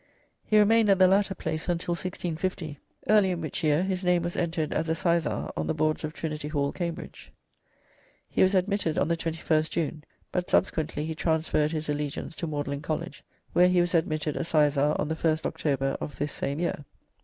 He remained at the latter place until 1650, early in which year his name was entered as a sizar on the boards of Trinity Hall, Cambridge. He was admitted on the 21st June, but subsequently he transferred his allegiance to Magdalene College, where he was admitted a sizar on the 1st October of this same year.